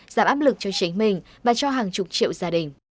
giảm áp lực cho chính mình và cho hàng chục triệu gia đình